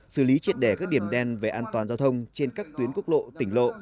xử lý triệt đề các điểm đen về an toàn giao thông trên các tuyến quốc lộ tỉnh lộ